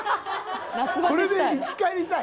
これで生き返りたい！